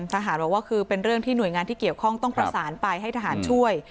ทหารบอกว่าคือเป็นเรื่องที่หน่วยงานที่เกี่ยวข้องต้องประสานไปให้ทหารช่วย